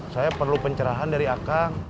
saya perlu pencerahan dari aka